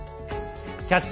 「キャッチ！